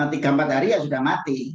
tiga empat hari ya sudah mati